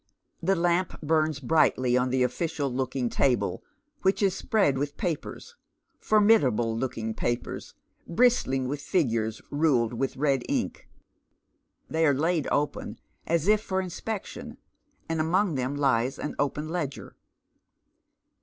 The lamp bums brightly on the official looking table, wliich ia spread with papers — ^formidable looking papers, bristling with figures, niled with red ink. They are laid open, as if for inspec tion, and among them lies an open ledger.